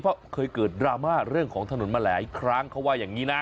เพราะเคยเกิดดราม่าเรื่องของถนนมาหลายครั้งเขาว่าอย่างนี้นะ